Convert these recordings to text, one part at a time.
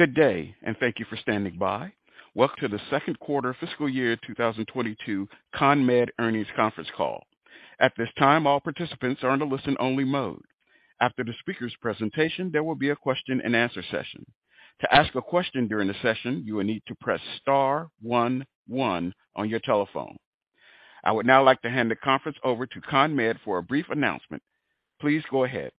Good day, and thank you for standing by. Welcome to the second quarter fiscal year 2022 CONMED earnings conference call. At this time, all participants are in a listen-only mode. After the speaker's presentation, there will be a question-and-answer session. To ask a question during the session, you will need to press star one one on your telephone. I would now like to hand the conference over to CONMED for a brief announcement. Please go ahead.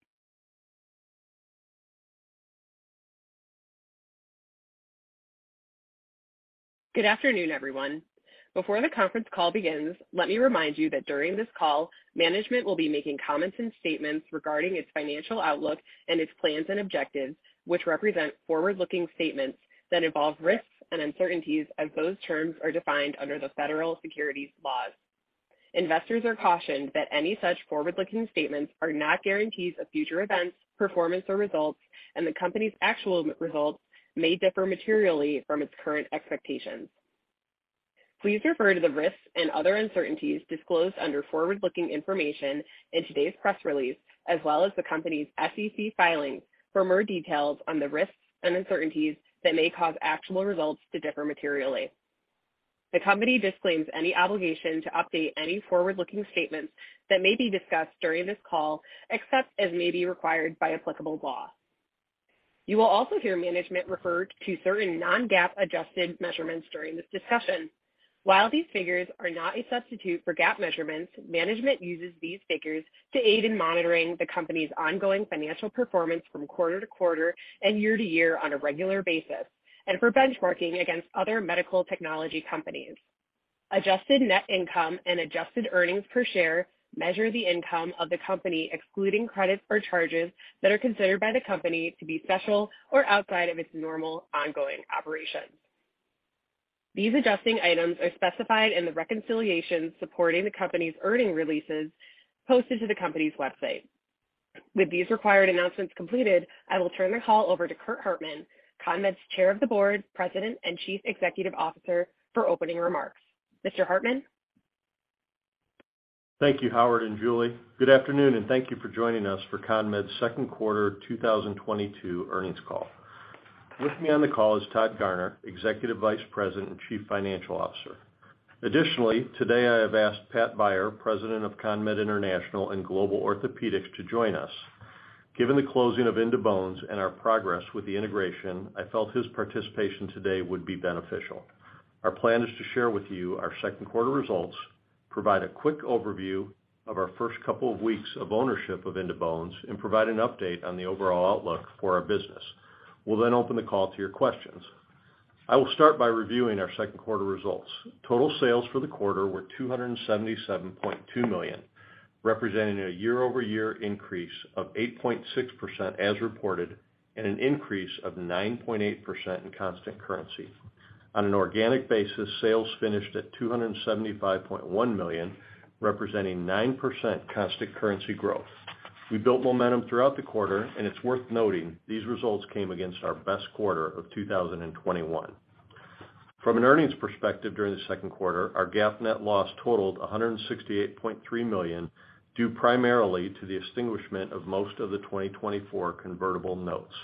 Good afternoon, everyone. Before the conference call begins, let me remind you that during this call, management will be making comments and statements regarding its financial outlook and its plans and objectives, which represent forward-looking statements that involve risks and uncertainties as those terms are defined under the federal securities laws. Investors are cautioned that any such forward-looking statements are not guarantees of future events, performance or results, and the company's actual results may differ materially from its current expectations. Please refer to the risks and other uncertainties disclosed under forward-looking information in today's press release, as well as the company's SEC filings for more details on the risks and uncertainties that may cause actual results to differ materially. The company disclaims any obligation to update any forward-looking statements that may be discussed during this call, except as may be required by applicable law. You will also hear management refer to certain non-GAAP adjusted measurements during this discussion. While these figures are not a substitute for GAAP measurements, management uses these figures to aid in monitoring the company's ongoing financial performance from quarter to quarter and year to year on a regular basis, and for benchmarking against other medical technology companies. Adjusted net income and adjusted earnings per share measure the income of the company, excluding credits or charges that are considered by the company to be special or outside of its normal ongoing operations. These adjusting items are specified in the reconciliations supporting the company's earnings releases posted to the company's website. With these required announcements completed, I will turn the call over to Curt Hartman, CONMED's Chair of the Board, President, and Chief Executive Officer, for opening remarks. Mr. Hartman? Thank you, Howard and Julie. Good afternoon, and thank you for joining us for CONMED's second quarter 2022 earnings call. With me on the call is Todd Garner, Executive Vice President and Chief Financial Officer. Additionally, today I have asked Patrick Beyer, President of CONMED International and Global Orthopedics, to join us. Given the closing of In2Bones and our progress with the integration, I felt his participation today would be beneficial. Our plan is to share with you our second quarter results, provide a quick overview of our first couple of weeks of ownership of In2Bones, and provide an update on the overall outlook for our business. We'll then open the call to your questions. I will start by reviewing our second quarter results. Total sales for the quarter were $277.2 million, representing a year-over-year increase of 8.6% as reported, and an increase of 9.8% in constant currency. On an organic basis, sales finished at $275.1 million, representing 9% constant currency growth. We built momentum throughout the quarter, and it's worth noting these results came against our best quarter of 2021. From an earnings perspective during the second quarter, our GAAP net loss totaled $168.3 million, due primarily to the extinguishment of most of the 2024 convertible notes.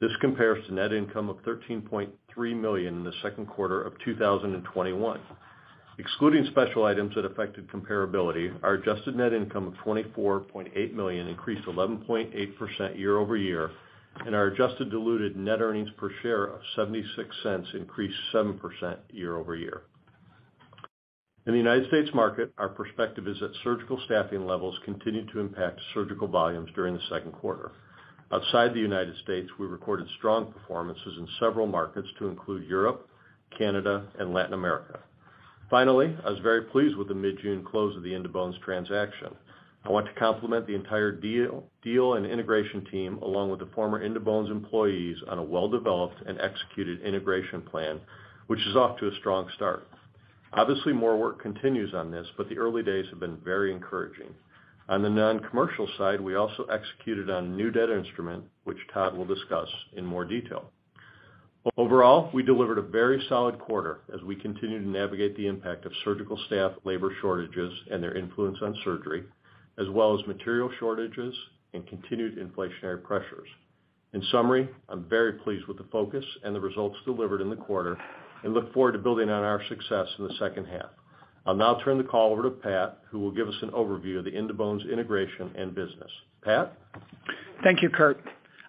This compares to net income of $13.3 million in the second quarter of 2021. Excluding special items that affected comparability, our adjusted net income of $24.8 million increased 11.8% year-over-year, and our adjusted diluted net earnings per share of $0.76 increased 7% year-over-year. In the United States market, our perspective is that surgical staffing levels continued to impact surgical volumes during the second quarter. Outside the United States, we recorded strong performances in several markets to include Europe, Canada, and Latin America. Finally, I was very pleased with the mid-June close of the In2Bones transaction. I want to compliment the entire deal and integration team, along with the former In2Bones employees on a well-developed and executed integration plan, which is off to a strong start. Obviously, more work continues on this, but the early days have been very encouraging. On the non-commercial side, we also executed on new debt instrument, which Todd will discuss in more detail. Overall, we delivered a very solid quarter as we continue to navigate the impact of surgical staff labor shortages and their influence on surgery, as well as material shortages and continued inflationary pressures. In summary, I'm very pleased with the focus and the results delivered in the quarter and look forward to building on our success in the second half. I'll now turn the call over to Pat, who will give us an overview of the In2Bones integration and business. Pat? Thank you, Curt.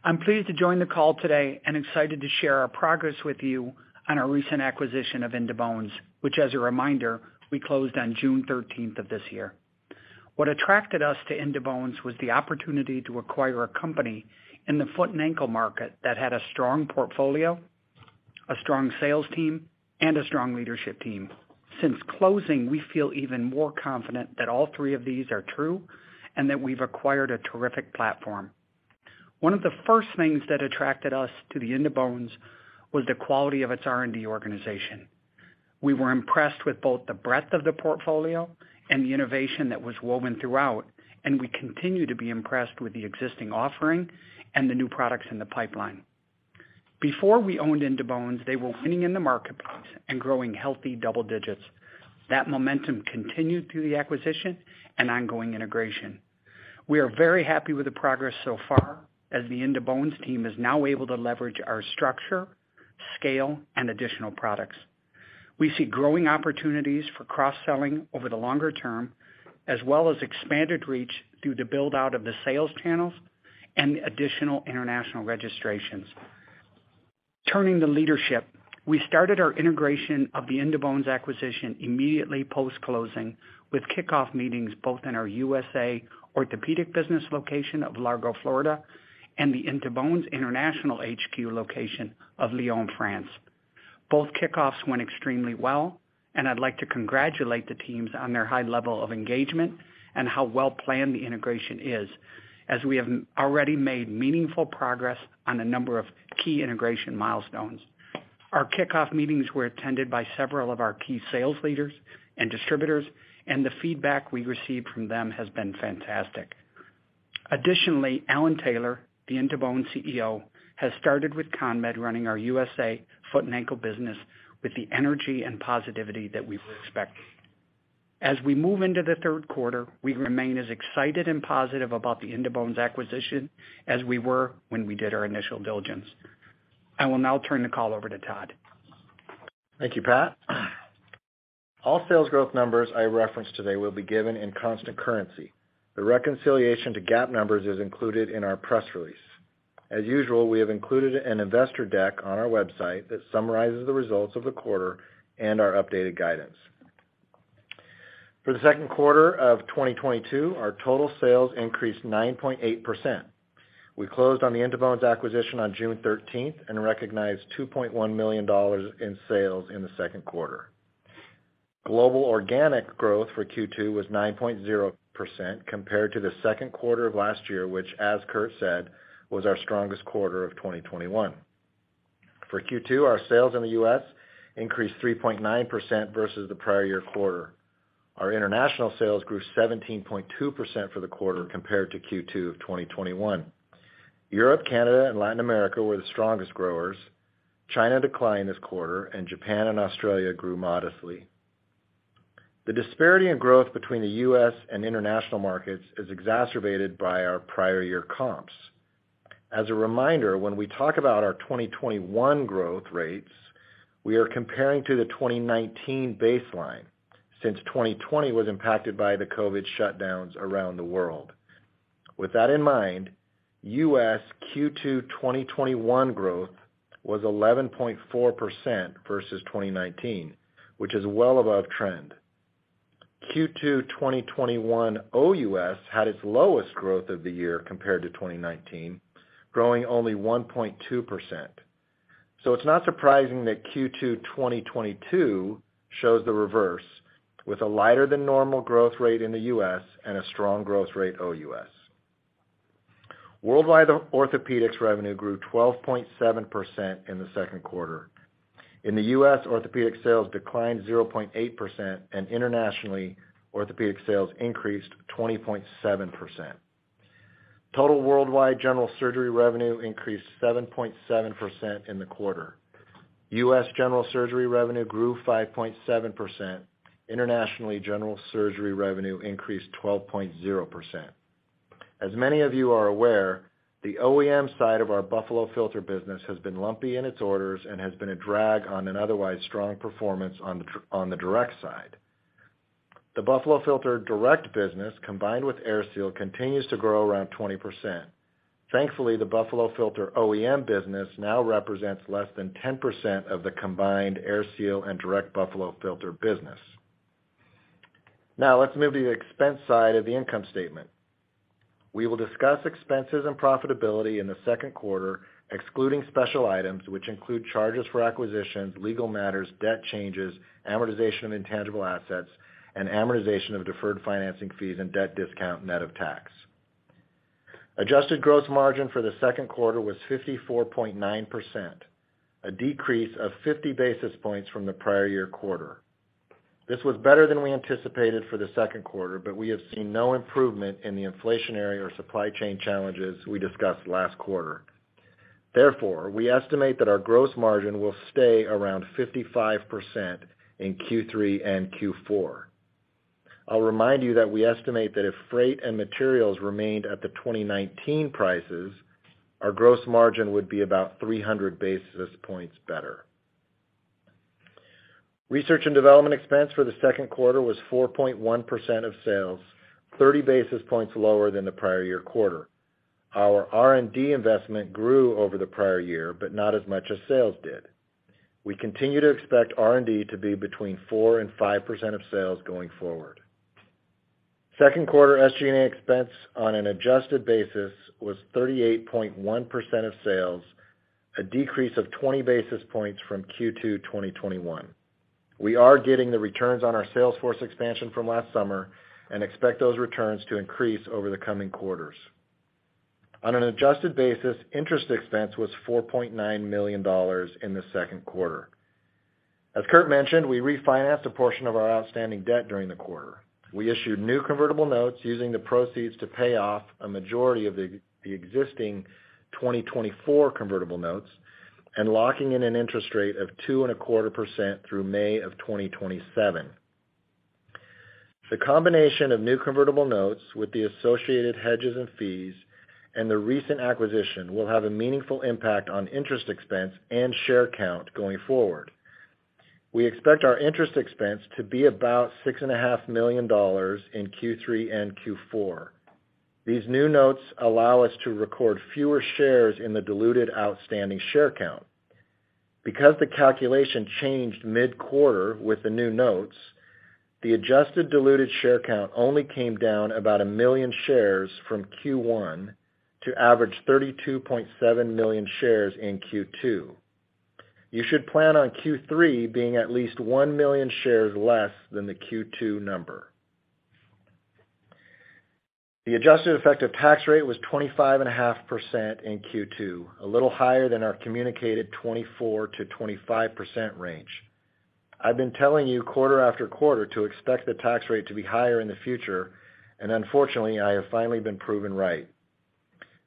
I'm pleased to join the call today and excited to share our progress with you on our recent acquisition of In2Bones, which as a reminder, we closed on June 13th of this year. What attracted us to In2Bones was the opportunity to acquire a company in the Foot and Ankle market that had a strong portfolio, a strong sales team, and a strong leadership team. Since closing, we feel even more confident that all three of these are true and that we've acquired a terrific platform. One of the first things that attracted us to the In2Bones was the quality of its R&D organization. We were impressed with both the breadth of the portfolio and the innovation that was woven throughout, and we continue to be impressed with the existing offering and the new products in the pipeline. Before we owned In2Bones, they were winning in the marketplace and growing healthy double digits. That momentum continued through the acquisition and ongoing integration. We are very happy with the progress so far as the In2Bones team is now able to leverage our infrastructure scale, and additional products. We see growing opportunities for cross-selling over the longer term, as well as expanded reach through the build-out of the sales channels and additional international registrations. Turning to leadership, we started our integration of the In2Bones acquisition immediately post-closing with kickoff meetings both in our USA Orthopedics business location of Largo, Florida, and the In2Bones international HQ location of Lyon, France. Both kickoffs went extremely well, and I'd like to congratulate the teams on their high level of engagement and how well-planned the integration is, as we have already made meaningful progress on a number of key integration milestones. Our kickoff meetings were attended by several of our key sales leaders and distributors, and the feedback we received from them has been fantastic. Additionally, Alan Taylor, the In2Bones CEO, has started with CONMED running our USA Foot and Ankle business with the energy and positivity that we were expecting. As we move into the third quarter, we remain as excited and positive about the In2Bones acquisition as we were when we did our initial diligence. I will now turn the call over to Todd. Thank you, Pat. All sales growth numbers I reference today will be given in constant currency. The reconciliation to GAAP numbers is included in our press release. As usual, we have included an investor deck on our website that summarizes the results of the quarter and our updated guidance. For the second quarter of 2022, our total sales increased 9.8%. We closed on the In2Bones acquisition on June 13th and recognized $2.1 million in sales in the second quarter. Global organic growth for Q2 was 9.0% compared to the second quarter of last year, which, as Curt said, was our strongest quarter of 2021. For Q2, our sales in the U.S. increased 3.9% versus the prior year quarter. Our international sales grew 17.2% for the quarter compared to Q2 of 2021. Europe, Canada, and Latin America were the strongest growers. China declined this quarter, and Japan and Australia grew modestly. The disparity in growth between the U.S. and international markets is exacerbated by our prior year comps. As a reminder, when we talk about our 2021 growth rates, we are comparing to the 2019 baseline since 2020 was impacted by the COVID shutdowns around the world. With that in mind, U.S. Q2 2021 growth was 11.4% versus 2019, which is well above trend. Q2 2021 O.U.S had its lowest growth of the year compared to 2019, growing only 1.2%. It's not surprising that Q2 2022 shows the reverse, with a lighter than normal growth rate in the U.S. and a strong growth rate O.U.S. Worldwide, the orthopedics revenue grew 12.7% in the second quarter. In the U.S., orthopedic sales declined 0.8%, and internationally, orthopedic sales increased 20.7%. Total worldwide general surgery revenue increased 7.7% in the quarter. U.S. general surgery revenue grew 5.7%. Internationally, general surgery revenue increased 12.0%. As many of you are aware, the OEM side of our Buffalo Filter business has been lumpy in its orders and has been a drag on an otherwise strong performance on the direct side. The Buffalo Filter direct business, combined with AirSeal, continues to grow around 20%. Thankfully, the Buffalo Filter OEM business now represents less than 10% of the combined AirSeal and direct Buffalo Filter business. Now let's move to the expense side of the income statement. We will discuss expenses and profitability in the second quarter, excluding special items, which include charges for acquisitions, legal matters, debt changes, amortization of intangible assets, and amortization of deferred financing fees and debt discount net of tax. Adjusted gross margin for the second quarter was 54.9%, a decrease of 50 basis points from the prior year quarter. This was better than we anticipated for the second quarter, but we have seen no improvement in the inflationary or supply chain challenges we discussed last quarter. Therefore, we estimate that our gross margin will stay around 55% in Q3 and Q4. I'll remind you that we estimate that if freight and materials remained at the 2019 prices, our gross margin would be about 300 basis points better. Research and development expense for the second quarter was 4.1% of sales, 30 basis points lower than the prior year quarter. Our R&D investment grew over the prior year, but not as much as sales did. We continue to expect R&D to be between 4% and 5% of sales going forward. Second quarter SG&A expense on an adjusted basis was 38.1% of sales, a decrease of 20 basis points from Q2 2021. We are getting the returns on our sales force expansion from last summer and expect those returns to increase over the coming quarters. On an adjusted basis, interest expense was $4.9 million in the second quarter. As Curt mentioned, we refinanced a portion of our outstanding debt during the quarter. We issued new convertible notes using the proceeds to pay off a majority of the existing 2024 convertible notes and locking in an interest rate of 2.25% through May of 2027. The combination of new convertible notes with the associated hedges and fees and the recent acquisition will have a meaningful impact on interest expense and share count going forward. We expect our interest expense to be about $6.5 million in Q3 and Q4. These new notes allow us to record fewer shares in the diluted outstanding share count. Because the calculation changed mid-quarter with the new notes, the adjusted diluted share count only came down about 1 million shares from Q1 to average 32.7 million shares in Q2. You should plan on Q3 being at least 1 million shares less than the Q2 number. The adjusted effective tax rate was 25.5% in Q2, a little higher than our communicated 24%-25% range. I've been telling you quarter after quarter to expect the tax rate to be higher in the future, and unfortunately, I have finally been proven right.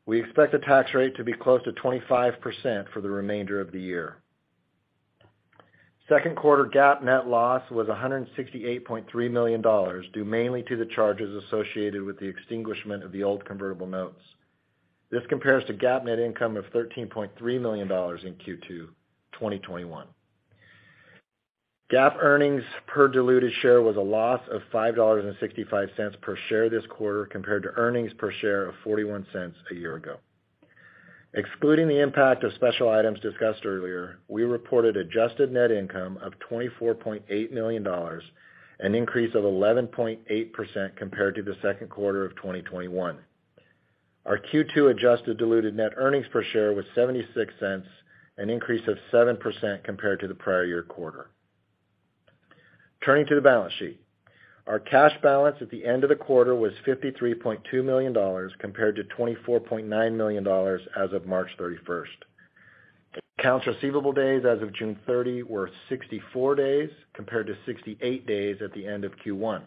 We expect the tax rate to be close to 25% for the remainder of the year. Second quarter GAAP net loss was $168.3 million, due mainly to the charges associated with the extinguishment of the old convertible notes. This compares to GAAP net income of $13.3 million in Q2 2021. GAAP earnings per diluted share was a loss of $5.65 per share this quarter compared to earnings per share of $0.41 a year ago. Excluding the impact of special items discussed earlier, we reported adjusted net income of $24.8 million, an increase of 11.8% compared to the second quarter of 2021. Our Q2 adjusted diluted net earnings per share was $0.76, an increase of 7% compared to the prior year quarter. Turning to the balance sheet. Our cash balance at the end of the quarter was $53.2 million, compared to $24.9 million as of March 31st. Accounts receivable days as of June 30 were 64 days, compared to 68 days at the end of Q1.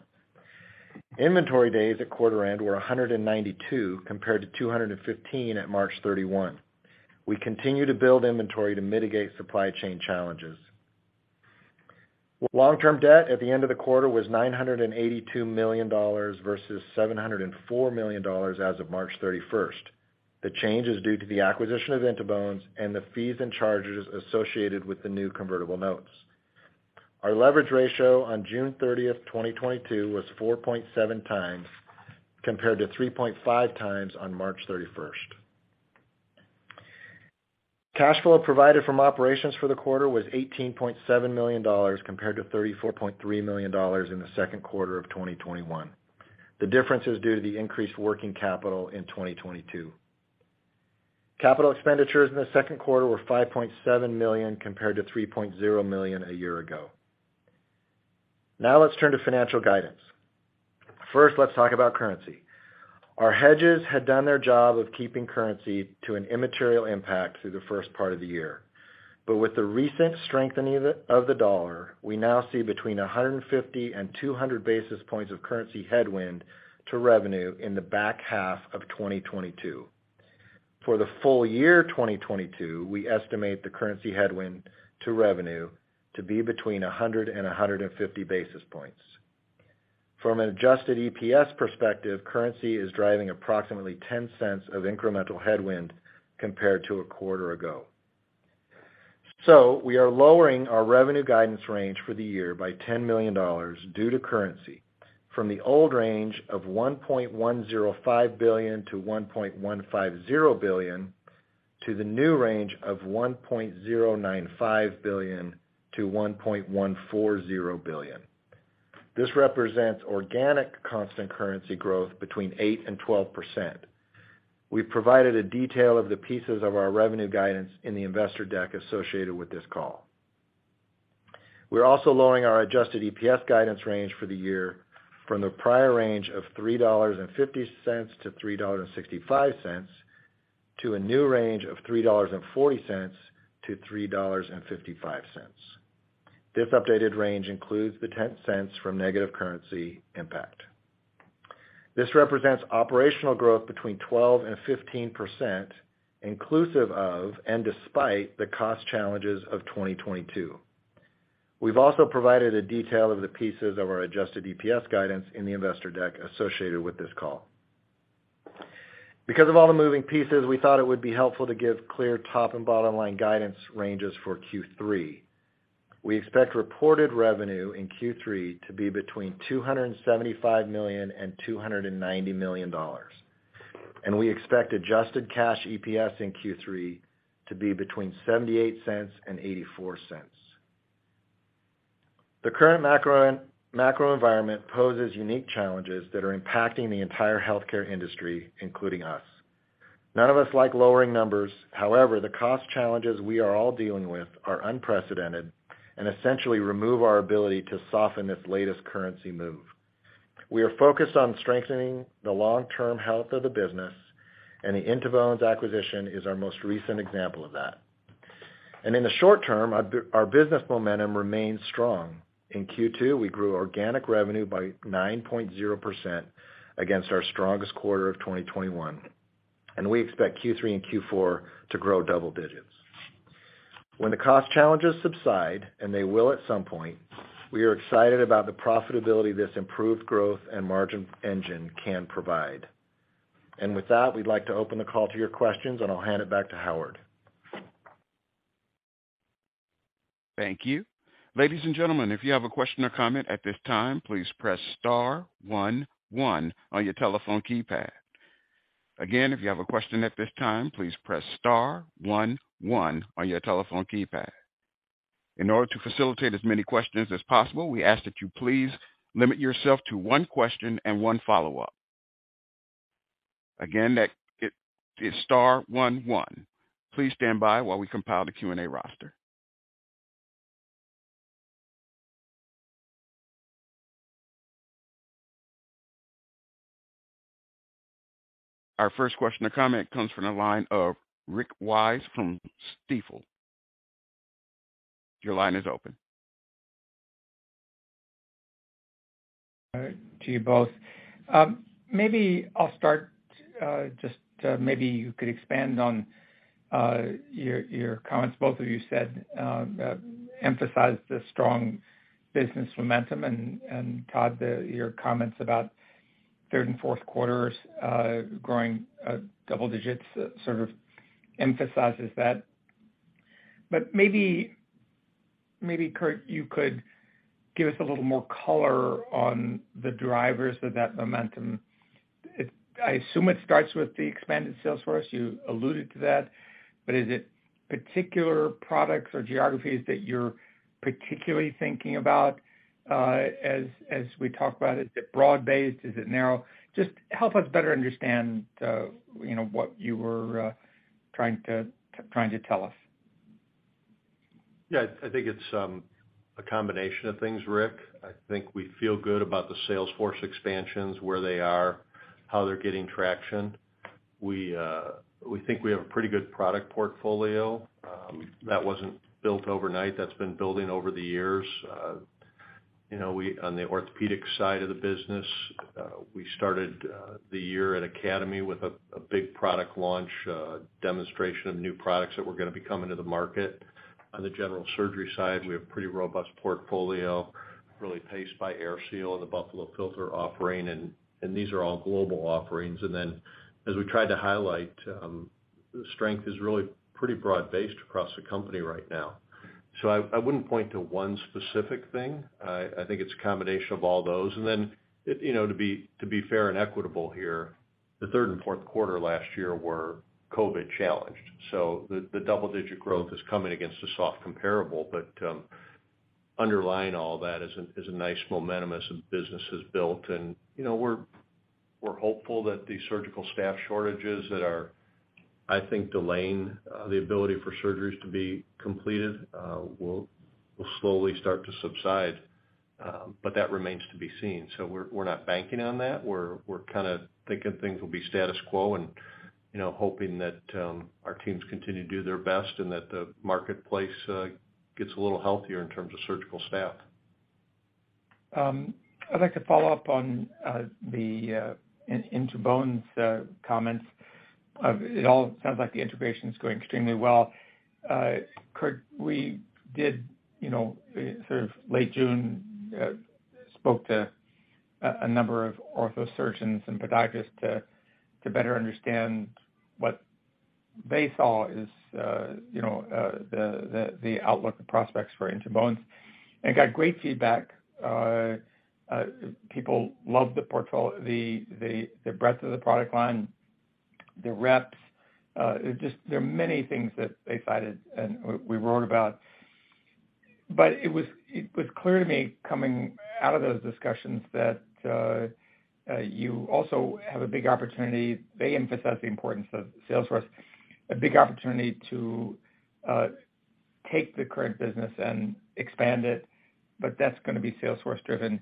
Inventory days at quarter end were 192 compared to 215 at March 31. We continue to build inventory to mitigate supply chain challenges. Long-term debt at the end of the quarter was $982 million versus $704 million as of March 31st. The change is due to the acquisition of In2Bones and the fees and charges associated with the new convertible notes. Our leverage ratio on June 30th, 2022 was 4.7x, compared to 3.5x on March 31st. Cash flow provided from operations for the quarter was $18.7 million compared to $34.3 million in the second quarter of 2021. The difference is due to the increased working capital in 2022. Capital expenditures in the second quarter were $5.7 million compared to $3.0 million a year ago. Now let's turn to financial guidance. First, let's talk about currency. Our hedges had done their job of keeping currency to an immaterial impact through the first part of the year. With the recent strengthening of the dollar, we now see between 150 basis points and 200 basis points of currency headwind to revenue in the back half of 2022. For the full year 2022, we estimate the currency headwind to revenue to be between 100 basis points and 150 basis points. From an adjusted EPS perspective, currency is driving approximately $0.10 of incremental headwind compared to a quarter ago. We are lowering our revenue guidance range for the year by $10 million due to currency from the old range of $1.105 billion-$1.150 billion, to the new range of $1.095 billion-$1.140 billion. This represents organic constant currency growth between 8% and 12%. We've provided a detail of the pieces of our revenue guidance in the investor deck associated with this call. We're also lowering our adjusted EPS guidance range for the year from the prior range of $3.50-$3.65, to a new range of $3.40-$3.55. This updated range includes the $0.10 from negative currency impact. This represents operational growth between 12% and 15% inclusive of and despite the cost challenges of 2022. We've also provided a detail of the pieces of our adjusted EPS guidance in the investor deck associated with this call. Because of all the moving pieces, we thought it would be helpful to give clear top and bottom line guidance ranges for Q3. We expect reported revenue in Q3 to be between $275 million and $290 million, and we expect adjusted cash EPS in Q3 to be between $0.78 and $0.84. The current macro environment poses unique challenges that are impacting the entire healthcare industry, including us. None of us like lowering numbers. However, the cost challenges we are all dealing with are unprecedented and essentially remove our ability to soften this latest currency move. We are focused on strengthening the long-term health of the business, and the In2Bones acquisition is our most recent example of that. In the short term, our business momentum remains strong. In Q2, we grew organic revenue by 9.0% against our strongest quarter of 2021, and we expect Q3 and Q4 to grow double digits. When the cost challenges subside, and they will at some point, we are excited about the profitability this improved growth and margin engine can provide. With that, we'd like to open the call to your questions, and I'll hand it back to Howard. Thank you. Ladies and gentlemen, if you have a question or comment at this time, please press star one one on your telephone keypad. Again, if you have a question at this time, please press star one one on your telephone keypad. In order to facilitate as many questions as possible, we ask that you please limit yourself to one question and one follow-up. Again, that it is star one one. Please stand by while we compile the Q&A roster. Our first question or comment comes from the line of Rick Wise from Stifel. Your line is open. All right. To you both. Maybe I'll start. Maybe you could expand on your comments. Both of you emphasized the strong business momentum, and Todd, your comments about third and fourth quarters growing double digits sort of emphasizes that. Maybe, Curt, you could give us a little more color on the drivers of that momentum. I assume it starts with the expanded sales force. You alluded to that, but is it particular products or geographies that you're particularly thinking about, as we talk about it? Is it broad-based? Is it narrow? Just help us better understand, you know, what you were trying to tell us. Yeah. I think it's a combination of things, Rick. I think we feel good about the sales force expansions, where they are, how they're getting traction. We think we have a pretty good product portfolio, that wasn't built overnight, that's been building over the years. You know, on the orthopedic side of the business, we started the year at Academy with a big product launch, demonstration of new products that were gonna be coming to the market. On the general surgery side, we have pretty robust portfolio, really paced by AirSeal and the Buffalo Filter offering, and these are all global offerings. As we tried to highlight, strength is really pretty broad-based across the company right now. I wouldn't point to one specific thing. I think it's a combination of all those. Then, you know, to be fair and equitable here, the third and fourth quarter last year were COVID-challenged, so the double-digit growth is coming against a soft comparable. Underlying all that is a nice momentum as the business has built. You know, we're hopeful that the surgical staff shortages that are, I think, delaying the ability for surgeries to be completed will slowly start to subside. That remains to be seen. We're not banking on that. We're kinda thinking things will be status quo and, you know, hoping that our teams continue to do their best and that the marketplace gets a little healthier in terms of surgical staff. I'd like to follow up on the In2Bones comments. It all sounds like the integration is going extremely well. Curt, we did, you know, sort of late June, spoke to a number of ortho surgeons and podiatrists to better understand what they saw is, you know, the outlook and prospects for In2Bones and got great feedback. People loved the breadth of the product line, the reps. Just there are many things that they cited and we wrote about. It was clear to me coming out of those discussions that you also have a big opportunity. They emphasized the importance of sales force, a big opportunity to take the current business and expand it, but that's gonna be sales force driven.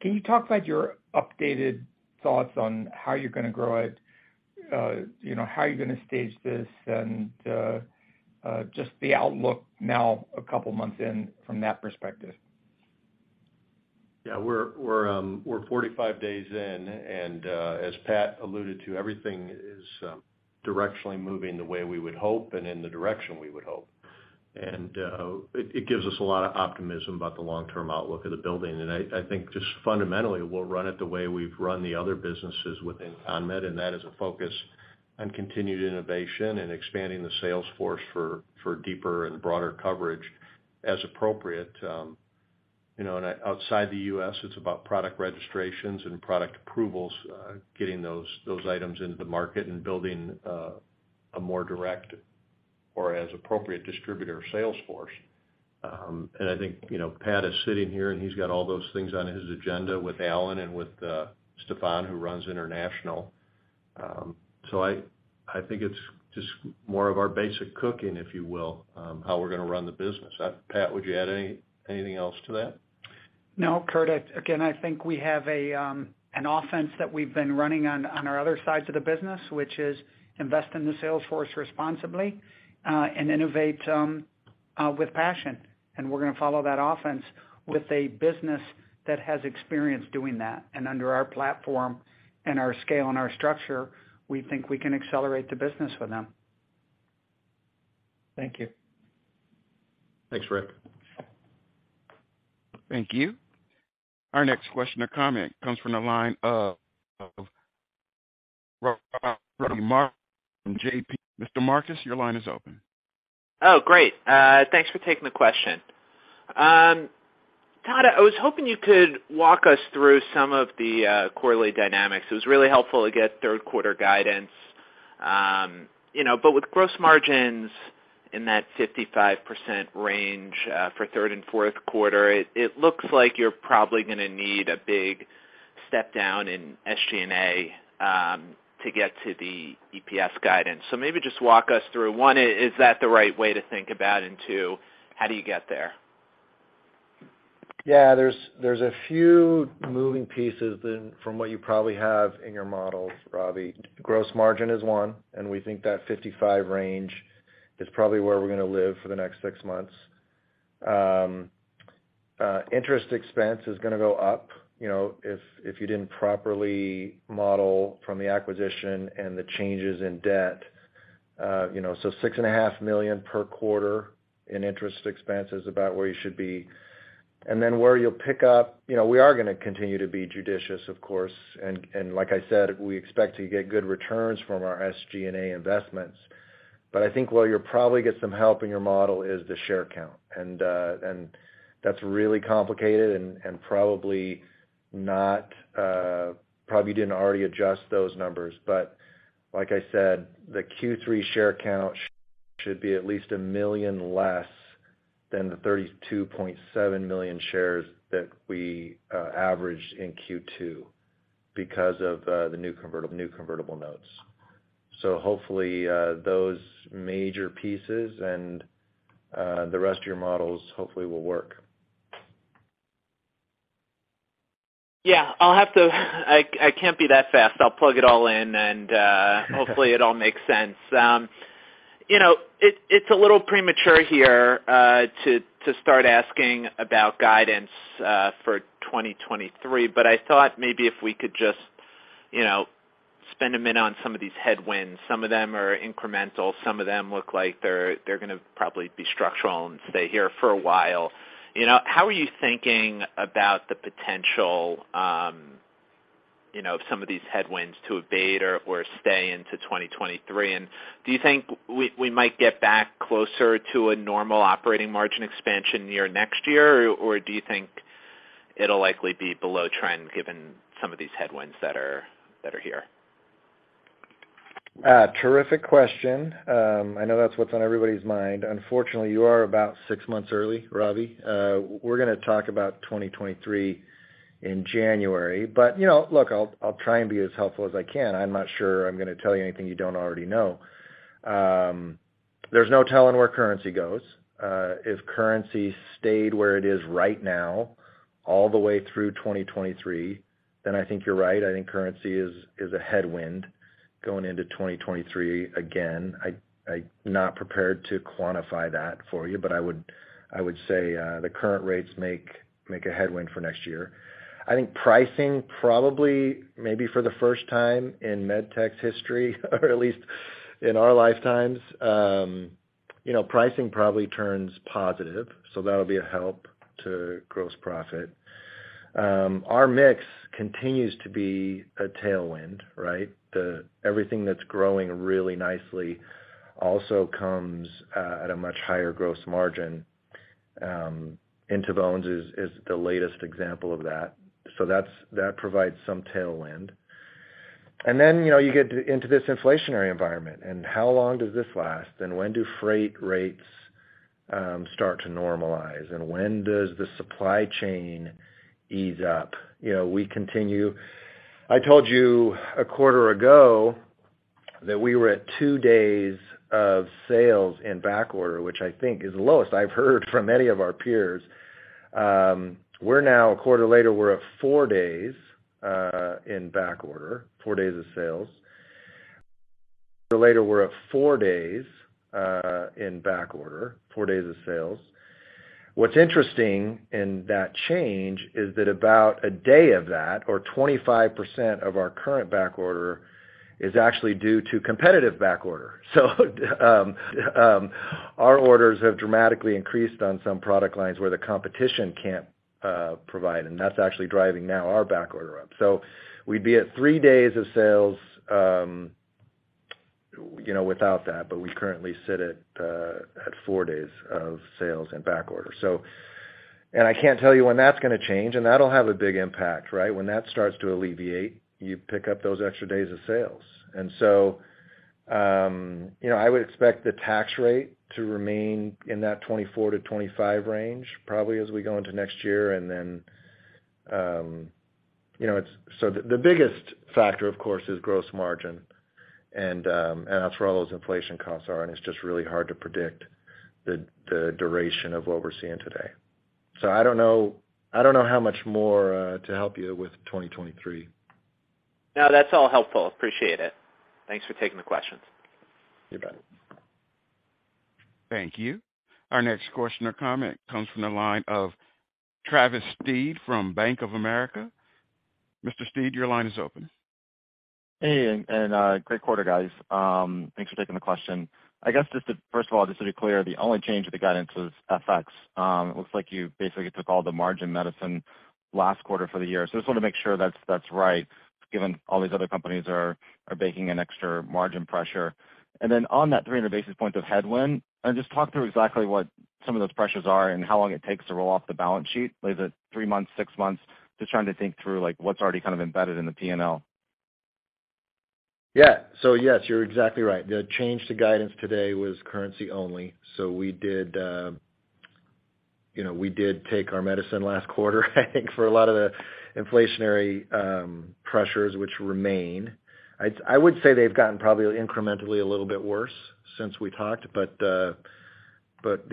Can you talk about your updated thoughts on how you're gonna grow it, you know, how you're gonna stage this and just the outlook now a couple months in from that perspective? Yeah. We're 45 days in, and as Pat alluded to, everything is directionally moving the way we would hope and in the direction we would hope. It gives us a lot of optimism about the long-term outlook of the business. I think just fundamentally, we'll run it the way we've run the other businesses within CONMED, and that is a focus on continued innovation and expanding the sales force for deeper and broader coverage as appropriate. You know, and outside the U.S., it's about product registrations and product approvals, getting those items into the market and building a more direct or as appropriate distributor sales force. I think you know, Pat is sitting here, and he's got all those things on his agenda with Alan and with Stephan, who runs international. I think it's just more of our basic cooking, if you will, how we're gonna run the business. Pat, would you add anything else to that? No, Curt. I think we have an offense that we've been running on our other sides of the business, which is invest in the sales force responsibly, and innovate with passion. We're gonna follow that offense with a business that has experience doing that. Under our platform and our scale and our structure, we think we can accelerate the business with them. Thank you. Thanks, Rick. Thank you. Our next question or comment comes from the line of Robbie Marcus from JPMorgan. Mr. Marcus, your line is open. Oh, great. Thanks for taking the question. Todd, I was hoping you could walk us through some of the quarterly dynamics. It was really helpful to get third quarter guidance. You know, but with gross margins in that 55% range, for third and fourth quarter, it looks like you're probably gonna need a big step down in SG&A, to get to the EPS guidance. Maybe just walk us through, one, is that the right way to think about, and two, how do you get there? Yeah, there's a few moving pieces than what you probably have in your models, Robbie. Gross margin is one, and we think that 55% range is probably where we're gonna live for the next six months. Interest expense is gonna go up, you know, if you didn't properly model the acquisition and the changes in debt. You know, so $6.5 million per quarter in interest expense is about where you should be. And then where you'll pick up. You know, we are gonna continue to be judicious, of course. Like I said, we expect to get good returns from our SG&A investments. But I think where you'll probably get some help in your model is the share count. And that's really complicated and probably not, probably didn't already adjust those numbers. Like I said, the Q3 share count should be at least 1 million less than the 32.7 million shares that we averaged in Q2 because of the new convertible notes. Hopefully, those major pieces and the rest of your models hopefully will work. Yeah. I'll have to. I can't be that fast. I'll plug it all in, and hopefully it all makes sense. You know, it's a little premature here to start asking about guidance for 2023, but I thought maybe if we could just, you know, spend a minute on some of these headwinds. Some of them are incremental, some of them look like they're gonna probably be structural and stay here for a while. You know, how are you thinking about the potential, you know, of some of these headwinds to abate or stay into 2023? Do you think we might get back closer to a normal operating margin expansion year next year, or do you think it'll likely be below trend given some of these headwinds that are here? Terrific question. I know that's what's on everybody's mind. Unfortunately, you are about six months early, Robbie. We're gonna talk about 2023 in January. You know, look, I'll try and be as helpful as I can. I'm not sure I'm gonna tell you anything you don't already know. There's no telling where currency goes. If currency stayed where it is right now, all the way through 2023, then I think you're right. I think currency is a headwind going into 2023. Again, I'm not prepared to quantify that for you, but I would say the current rates make a headwind for next year. I think pricing probably, maybe for the first time in Medtech's history, or at least in our lifetimes, you know, pricing probably turns positive, so that'll be a help to gross profit. Our mix continues to be a tailwind, right? Everything that's growing really nicely also comes at a much higher gross margin. In2Bones is the latest example of that. So that provides some tailwind. Then, you know, you get into this inflationary environment and how long does this last and when do freight rates start to normalize, and when does the supply chain ease up? You know, I told you a quarter ago that we were at two days of sales in backorder, which I think is the lowest I've heard from any of our peers. We're now a quarter later. We're at four days in backorder, four days of sales. What's interesting in that change is that about a day of that or 25% of our current backorder is actually due to competitive backorder. Our orders have dramatically increased on some product lines where the competition can't provide, and that's actually driving our backorder up. We'd be at three days of sales, you know, without that, but we currently sit at four days of sales and backorder. I can't tell you when that's gonna change, and that'll have a big impact, right? When that starts to alleviate, you pick up those extra days of sales. I would expect the tax rate to remain in that 24%-25% range probably as we go into next year. The biggest factor, of course, is gross margin, and that's where all those inflation costs are, and it's just really hard to predict the duration of what we're seeing today. I don't know how much more to help you with 2023. No, that's all helpful. Appreciate it. Thanks for taking the questions. You bet. Thank you. Our next question or comment comes from the line of Travis Steed from Bank of America. Mr. Steed, your line is open. Hey, great quarter, guys. Thanks for taking the question. I guess first of all, just to be clear, the only change with the guidance is FX. It looks like you basically took all the margin medicine last quarter for the year. I just wanna make sure that's right, given all these other companies are baking in extra margin pressure. Then on that 300 basis points of headwind, just talk through exactly what some of those pressures are and how long it takes to roll off the balance sheet. Is it three months, six months? Just trying to think through, like, what's already kind of embedded in the P&L. Yeah. Yes, you're exactly right. The change to guidance today was currency only. We did, you know, take our medicine last quarter, I think, for a lot of the inflationary pressures which remain. I would say they've gotten probably incrementally a little bit worse since we talked, but the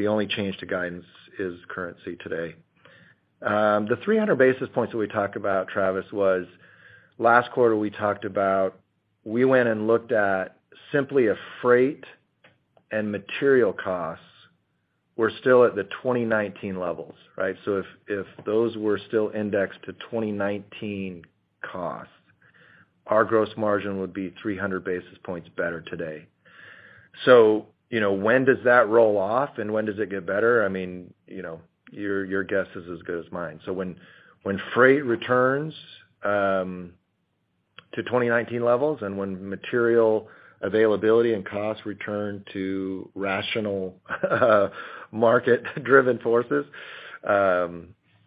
only change to guidance is currency today. The 300 basis points that we talked about, Travis, was last quarter, we talked about we went and looked at simply a freight and material costs were still at the 2019 levels, right? If those were still indexed to 2019 costs, our gross margin would be 300 basis points better today. You know, when does that roll off and when does it get better? I mean, you know, your guess is as good as mine. When freight returns to 2019 levels and when material availability and costs return to rational, market-driven forces,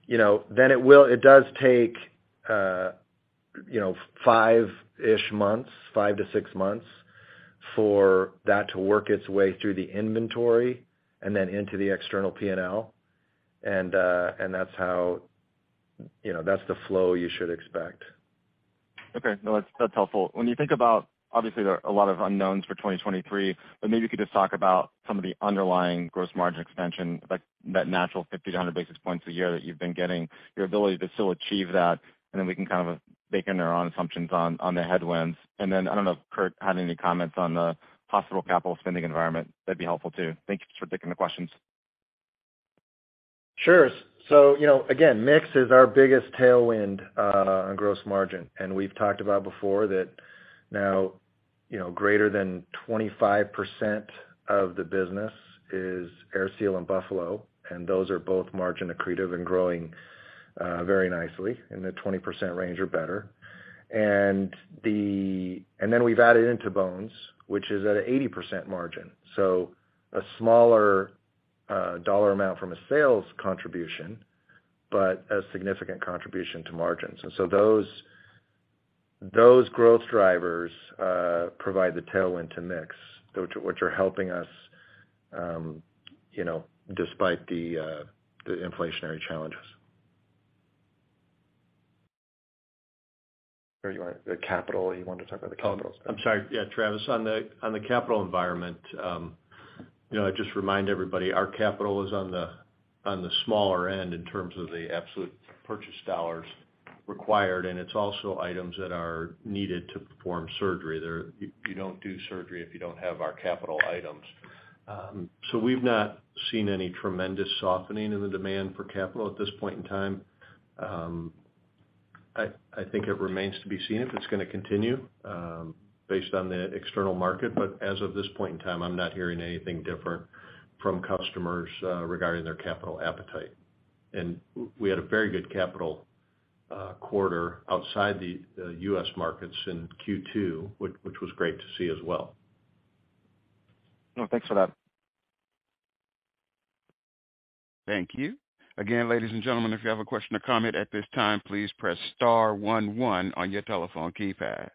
you know, then it does take, you know, five-ish months, five to six months for that to work its way through the inventory and then into the external P&L, and that's how, you know, that's the flow you should expect. Okay. No, that's helpful. When you think about, obviously, there are a lot of unknowns for 2023, but maybe you could just talk about some of the underlying gross margin expansion, like that natural 50 basis points-100 basis points a year that you've been getting, your ability to still achieve that, and then we can kind of bake in our own assumptions on the headwinds. Then I don't know if Curt had any comments on the possible capital spending environment. That'd be helpful too. Thank you for taking the questions. Sure. You know, again, mix is our biggest tailwind on gross margin. We've talked about before that now, you know, greater than 25% of the business is AirSeal and Buffalo, and those are both margin accretive and growing very nicely in the 20% range or better. Then we've added In2Bones, which is at a 80% margin. A smaller dollar amount from a sales contribution, but a significant contribution to margins. Those growth drivers provide the tailwind to mix, which are helping us, you know, despite the inflationary challenges. There you are. The capital. You want to talk about the capital? Oh, I'm sorry. Yeah, Travis, on the capital environment, you know, I'd just remind everybody our capital is on the smaller end in terms of the absolute purchase dollars required, and it's also items that are needed to perform surgery. You don't do surgery if you don't have our capital items. We've not seen any tremendous softening in the demand for capital at this point in time. I think it remains to be seen if it's gonna continue, based on the external market. As of this point in time, I'm not hearing anything different from customers regarding their capital appetite. We had a very good capital quarter outside the U.S. markets in Q2, which was great to see as well. No, thanks for that. Thank you. Again, ladies and gentlemen, if you have a question or comment at this time, please press star one one on your telephone keypad.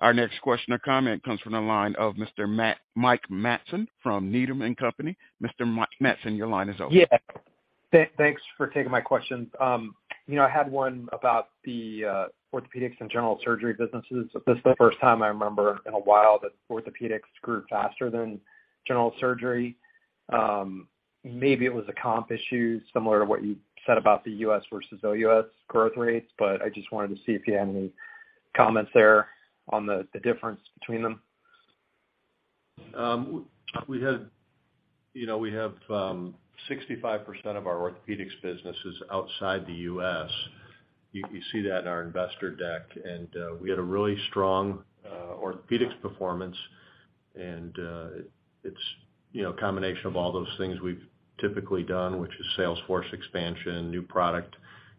Our next question or comment comes from the line of Mr. Mike Matson from Needham & Company. Mr. Matson, your line is open. Yeah. Thanks for taking my questions. You know, I had one about the orthopedics and general surgery businesses. This is the first time I remember in a while that orthopedics grew faster than general surgery. Maybe it was a comp issue similar to what you said about the U.S. versus O.U.S. growth rates, but I just wanted to see if you had any comments there on the difference between them. We had—you know, we have 65% of our orthopedics businesses outside the U.S. You see that in our investor deck. We had a really strong orthopedics performance and it's a combination of all those things we've typically done, which is sales force expansion, new product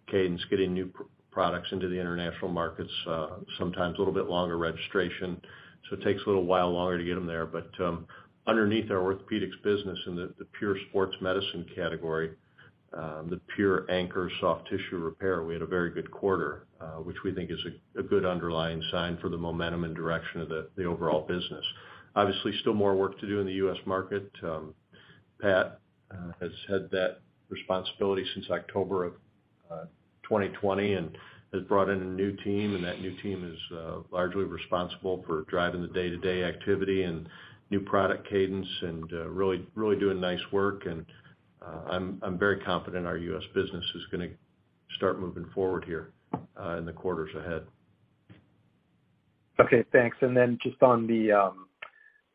cadence, getting new products into the international markets, sometimes a little bit longer registration, so it takes a little while longer to get them there. Underneath our orthopedics business in the pure sports medicine category, the pure anchor soft tissue repair, we had a very good quarter, which we think is a good underlying sign for the momentum and direction of the overall business. Obviously, still more work to do in the U.S. market. Pat has had that responsibility since October of 2020 and has brought in a new team, and that new team is largely responsible for driving the day-to-day activity and new product cadence and really doing nice work. I'm very confident our U.S. business is gonna start moving forward here in the quarters ahead. Okay, thanks. Just on the,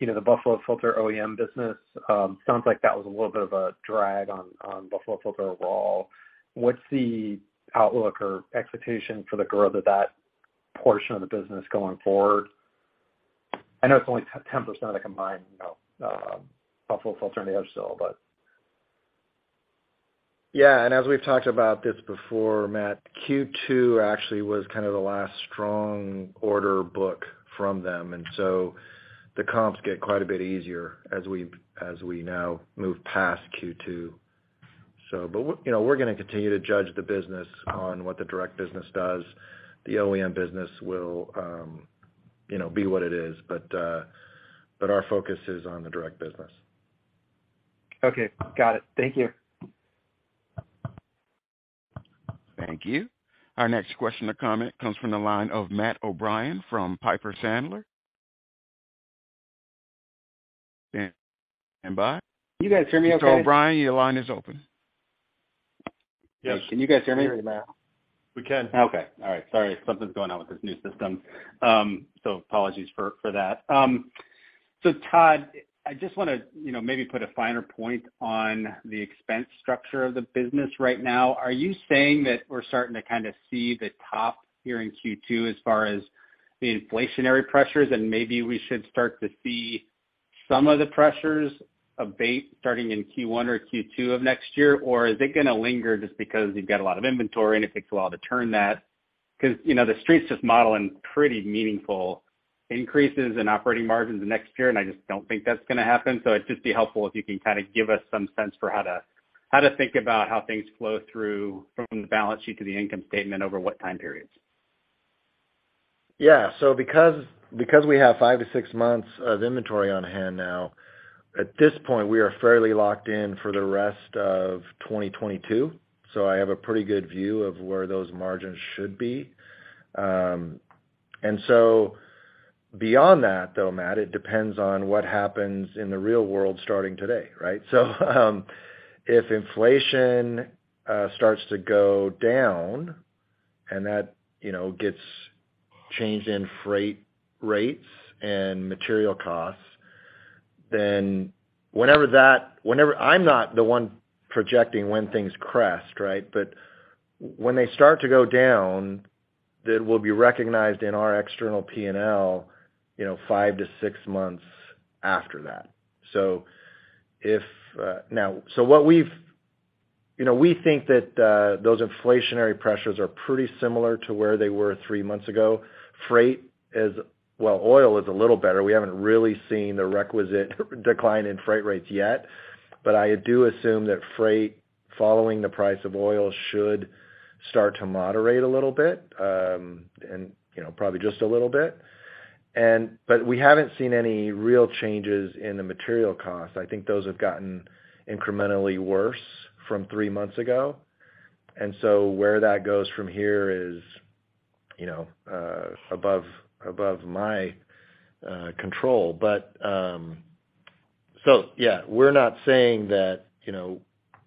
you know, the Buffalo Filter OEM business sounds like that was a little bit of a drag on Buffalo Filter overall. What's the outlook or expectation for the growth of that portion of the business going forward? I know it's only 10% of the combined, you know, Buffalo Filter and the other stuff but. Yeah. As we've talked about this before, Matt, Q2 actually was kind of the last strong order book from them. The comps get quite a bit easier as we now move past Q2. You know, we're gonna continue to judge the business on what the direct business does. The OEM business will, you know, be what it is. Our focus is on the direct business. Okay. Got it. Thank you. Thank you. Our next question or comment comes from the line of Matt O'Brien from Piper Sandler. Standby. Can you guys hear me okay? Mr. O'Brien, your line is open. Yes. Can you guys hear me? We can. Okay. All right. Sorry. Something's going on with this new system. Apologies for that. Todd, I just wanna, you know, maybe put a finer point on the expense structure of the business right now. Are you saying that we're starting to kinda see the top here in Q2 as far as the inflationary pressures, and maybe we should start to see some of the pressures abate starting in Q1 or Q2 of next year? Or is it gonna linger just because you've got a lot of inventory, and it takes a while to turn that? 'Cause, you know, The Street's just modeling pretty meaningful increases in operating margins next year, and I just don't think that's gonna happen. It'd just be helpful if you can kinda give us some sense for how to think about how things flow through from the balance sheet to the income statement and over what time periods. Yeah. Because we have five to six months of inventory on hand now, at this point, we are fairly locked in for the rest of 2022, so I have a pretty good view of where those margins should be. Beyond that though, Matt, it depends on what happens in the real world starting today, right? If inflation starts to go down and that, you know, gets changed in freight rates and material costs, then whenever I'm not the one projecting when things crest, right? When they start to go down, that will be recognized in our external P&L, you know, five to six months after that. You know, we think that those inflationary pressures are pretty similar to where they were three months ago. Freight is. Well, oil is a little better. We haven't really seen the requisite decline in freight rates yet, but I do assume that freight, following the price of oil, should start to moderate a little bit, and, you know, probably just a little bit. But we haven't seen any real changes in the material costs. I think those have gotten incrementally worse from three months ago. Where that goes from here is, you know, above my control. Yeah, we're not saying that, you know,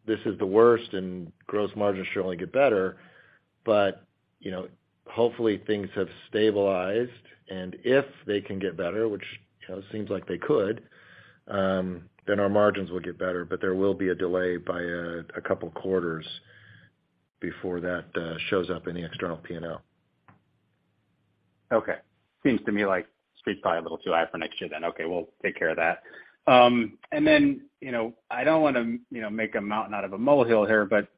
this is the worst and gross margins should only get better. You know, hopefully things have stabilized, and if they can get better, which, you know, seems like they could, then our margins will get better. There will be a delay by a couple quarters before that shows up in the external P&L. Okay. Seems to me like Street's probably a little too high for next year then. Okay, we'll take care of that. You know, I don't wanna, you know, make a mountain out of a molehill here, but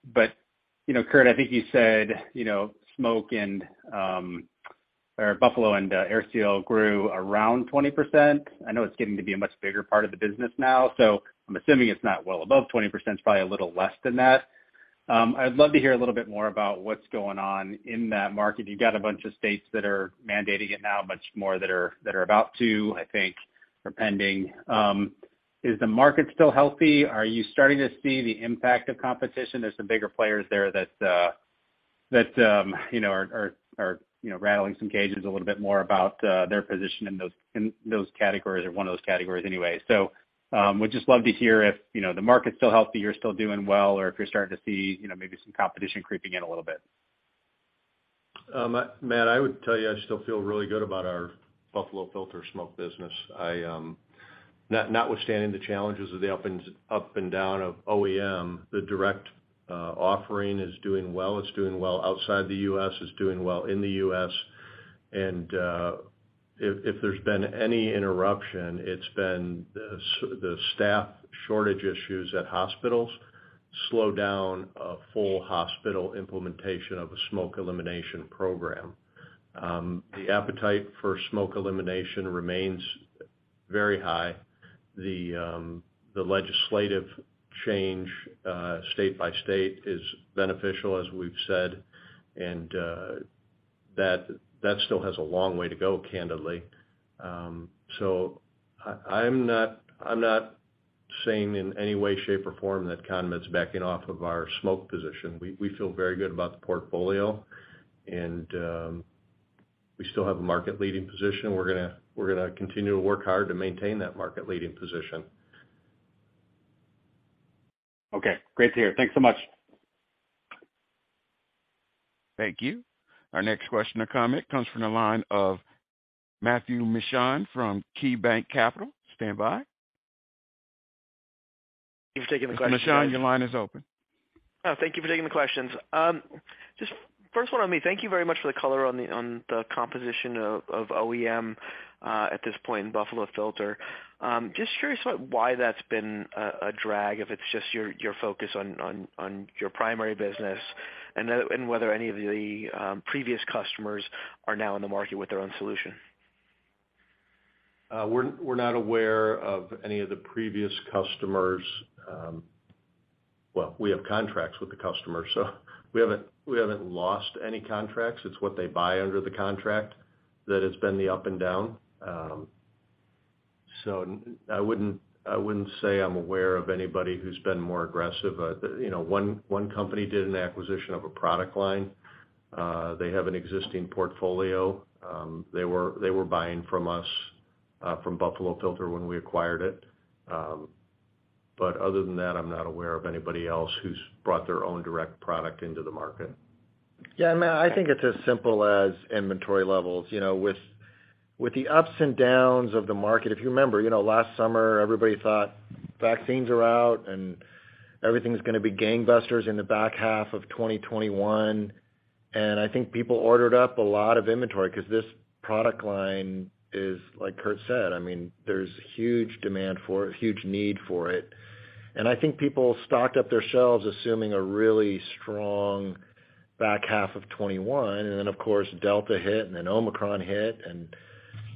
you know, Curt, I think you said, you know, smoke and or Buffalo Filter and AirSeal grew around 20%. I know it's getting to be a much bigger part of the business now, so I'm assuming it's not well above 20%. It's probably a little less than that. I'd love to hear a little bit more about what's going on in that market. You've got a bunch of states that are mandating it now, much more that are about to, I think, or pending. Is the market still healthy? Are you starting to see the impact of competition? There's some bigger players there that, you know, are, you know, rattling some cages a little bit more about, their position in those categories or one of those categories anyway. Would just love to hear if, you know, the market's still healthy, you're still doing well, or if you're starting to see, you know, maybe some competition creeping in a little bit. Matt, I would tell you I still feel really good about our Buffalo Filter smoke business. I notwithstanding the challenges of the up and down of OEM, the direct offering is doing well. It's doing well outside the U.S. It's doing well in the U.S. If there's been any interruption, it's been the staff shortage issues at hospitals slow down a full hospital implementation of a smoke elimination program. The appetite for smoke elimination remains very high. The legislative change, state by state is beneficial, as we've said, and that still has a long way to go, candidly. I'm not saying in any way, shape, or form that CONMED's backing off of our smoke position. We feel very good about the portfolio and we still have a market-leading position. We're gonna continue to work hard to maintain that market-leading position. Okay. Great to hear. Thanks so much. Thank you. Our next question or comment comes from the line of Matthew Mishan from KeyBanc Capital Markets. Stand by. Thank you for taking the questions. Mr. Mishan, your line is open. Oh, thank you for taking the questions. Just first one on me. Thank you very much for the color on the composition of OEM at this point in Buffalo Filter. Just curious about why that's been a drag, if it's just your focus on your primary business, and whether any of the previous customers are now in the market with their own solution. We're not aware of any of the previous customers. Well, we have contracts with the customers, so we haven't lost any contracts. It's what they buy under the contract that has been the up and down. I wouldn't say I'm aware of anybody who's been more aggressive. You know, one company did an acquisition of a product line. They have an existing portfolio. They were buying from us from Buffalo Filter when we acquired it. Other than that, I'm not aware of anybody else who's brought their own direct product into the market. Yeah, Matt, I think it's as simple as inventory levels, you know. With the ups and downs of the market, if you remember, you know, last summer everybody thought vaccines are out and everything's gonna be gangbusters in the back half of 2021. I think people ordered up a lot of inventory 'cause this product line is, like Curt said, I mean, there's huge demand for it, huge need for it. I think people stocked up their shelves assuming a really strong back half of 2021. Then of course Delta hit and then Omicron hit.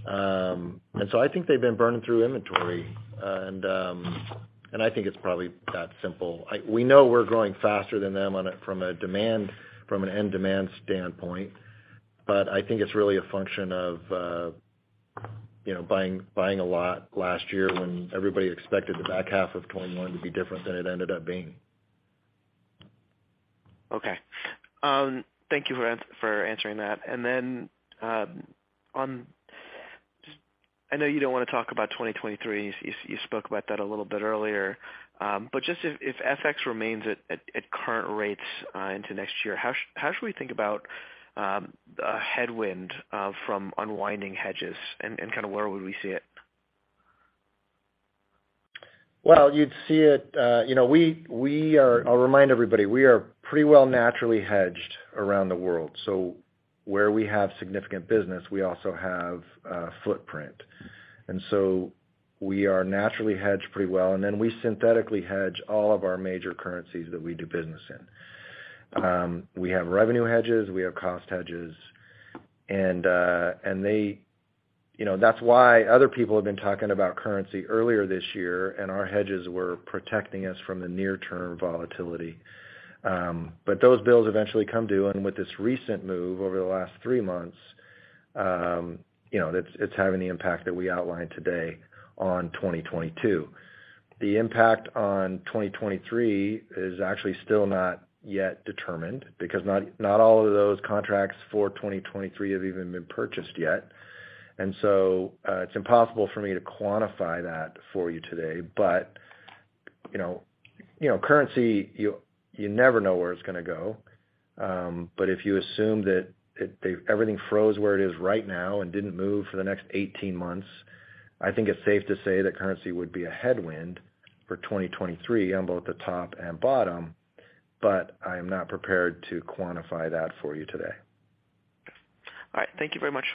I think they've been burning through inventory. I think it's probably that simple. We know we're growing faster than them from a demand, from an end demand standpoint, but I think it's really a function of, you know, buying a lot last year when everybody expected the back half of 2021 to be different than it ended up being. Okay. Thank you for answering that. Then, I know you don't wanna talk about 2023. You spoke about that a little bit earlier. If FX remains at current rates into next year, how should we think about a headwind from unwinding hedges and kinda where would we see it? Well, you'd see it, you know, we are. I'll remind everybody, we are pretty well naturally hedged around the world. Where we have significant business, we also have a footprint. We are naturally hedged pretty well. We synthetically hedge all of our major currencies that we do business in. We have revenue hedges, we have cost hedges. You know, that's why other people have been talking about currency earlier this year, and our hedges were protecting us from the near term volatility. Those bills eventually come due. With this recent move over the last three months, you know, that's it's having the impact that we outlined today on 2022. The impact on 2023 is actually still not yet determined because not all of those contracts for 2023 have even been purchased yet. It's impossible for me to quantify that for you today. You know, currency, you never know where it's gonna go. But if you assume that everything froze where it is right now and didn't move for the next 18 months, I think it's safe to say that currency would be a headwind for 2023 on both the top and bottom, but I am not prepared to quantify that for you today. All right. Thank you very much.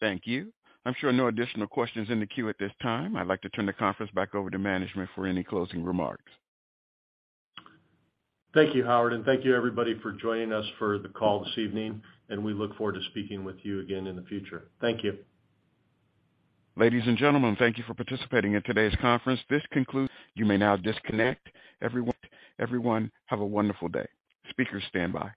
Thank you. I'm sure no additional questions in the queue at this time. I'd like to turn the conference back over to management for any closing remarks. Thank you, Howard, and thank you everybody for joining us for the call this evening, and we look forward to speaking with you again in the future. Thank you. Ladies and gentlemen, thank you for participating in today's conference. This concludes. You may now disconnect. Everyone, have a wonderful day. Speakers stand by.